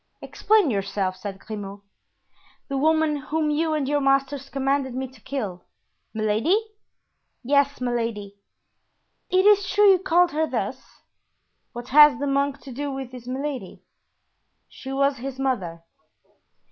"Explain yourself." said Grimaud. "The woman whom you and your masters commanded me to kill——" "Milady?" "Yes, Milady; it is true you called her thus." "What has the monk to do with this Milady?" "She was his mother."